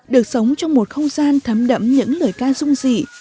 được sống trong một không gian thấm đẫm những lời ca dung dị